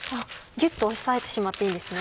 ギュっと押さえてしまっていいんですね。